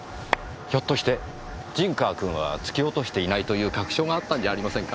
ひょっとして陣川君は突き落としていないという確証があったんじゃありませんか？